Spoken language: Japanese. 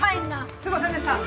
すいませんでした！